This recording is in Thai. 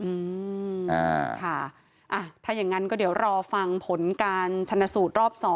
อืมอ่าค่ะอ่ะถ้าอย่างงั้นก็เดี๋ยวรอฟังผลการชนสูตรรอบสอง